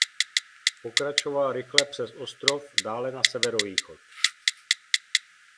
Pokračoval rychle přes ostrov dále na severovýchod.